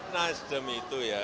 nasdem itu ya